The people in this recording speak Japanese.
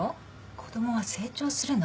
子供は成長するの。